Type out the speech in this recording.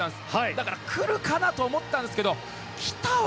だから来るかなと思ったんですが来たわ！